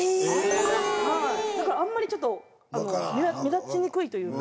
だからあんまり目立ちにくいというか。